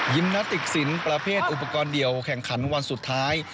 นาติกสินประเภทอุปกรณ์เดียวแข่งขันวันสุดท้าย